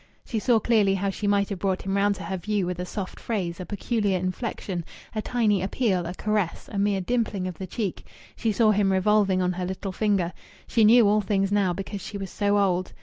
She saw clearly how she might have brought him round to her view with a soft phrase, a peculiar inflection, a tiny appeal, a caress, a mere dimpling of the cheek. She saw him revolving on her little finger.... She knew all things now because she was so old.